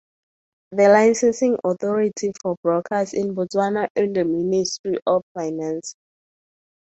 The licensing authority for brokers in Botswana is the Ministry of Finance.